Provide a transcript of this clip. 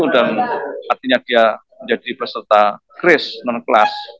dan artinya dia menjadi peserta kris non kelas